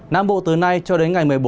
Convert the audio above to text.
nam bộ từ nay cho đến ngày một mươi bốn